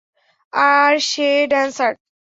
আর সে ড্যান্সার।